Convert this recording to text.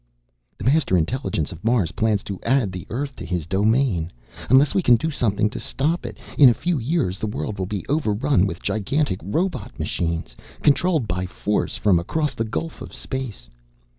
"The Master Intelligence of Mars plans to add the Earth to his domain. Unless we can do something to stop it, in a few years the world will be overrun with gigantic robot machines, controlled by force from across the gulf of space.